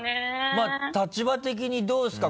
まぁ立場的にどうですか？